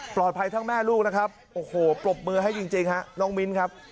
ทั้งแม่ลูกนะครับโอ้โหปรบมือให้จริงฮะน้องมิ้นครับ